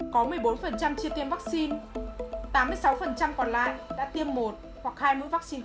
có một mươi bốn chia tiêm vắc xin tám mươi sáu còn lại đã tiêm một hoặc hai mũi vắc xin